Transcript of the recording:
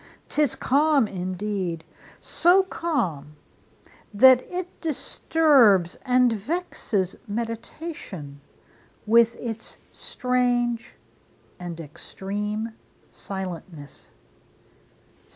'Tis calm indeed! so calm, that it disturbs And vexes meditation with its strange And extreme silentness.